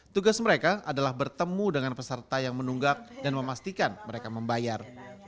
tugas mereka adalah bertemu dengan peserta yang menunggak dan memastikan mereka membayar